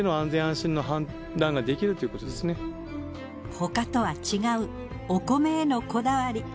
他とは違うお米へのこだわり。